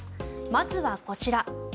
まずはこちら。